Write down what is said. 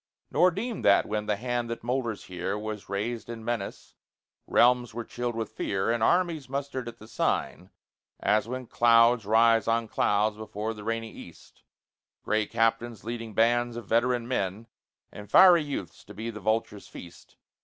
Nor deem that when the hand that molders here Was raised in menace, realms were chilled with fear, And armies mustered at the sign, as when Clouds rise on clouds before the rainy East Gray captains leading bands of veteran men And fiery youths to be the vulture's feast.